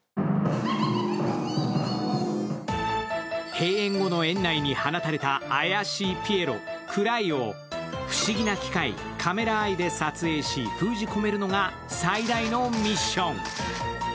閉園後の園内に放たれた怪しいピエロ・クライを不思議な機械カメラ・アイで撮影し封じ込めるのが最大のミッション。